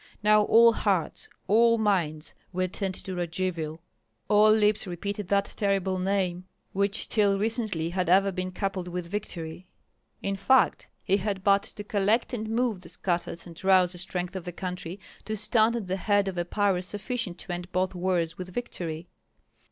Now all hearts, all minds were turned to Radzivill; all lips repeated that terrible name, which till recently had ever been coupled with victory. In fact, he had but to collect and move the scattered and drowsy strength of the country, to stand at the head of a power sufficient to end both wars with victory.